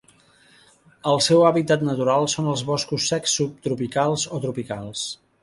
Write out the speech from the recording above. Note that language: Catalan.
El seu hàbitat natural són els boscos secs subtropicals o tropicals.